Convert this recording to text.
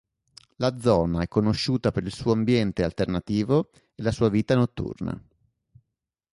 La zona è conosciuta per il suo ambiente alternativo e la sua vita notturna.